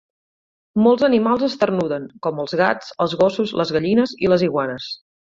Molts animals esternuden com el gats, els gossos, les gallines i les iguanes.